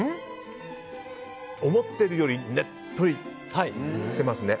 思ってるよりねっとりしてますね。